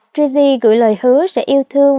trizi gửi lời hứa sẽ yêu thương